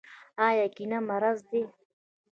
آیا کینه مرض دی؟